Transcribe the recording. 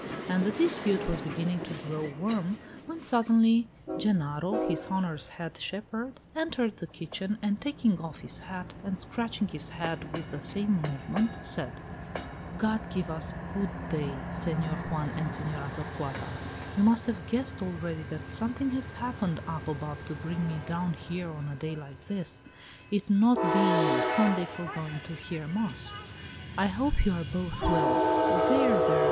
And the dispute was beginning to grow warm, when suddenly Genaro, his honor's head shepherd, entered the kitchen, and taking off his hat, and scratching his head with the same movement, said: "God give us good day, Senor Juan and Senora Torcuata! You must have guessed already that something has happened up above to bring me down here on a day like this, it not being my Sunday for going to hear mass. I hope you are both well!" "There! there!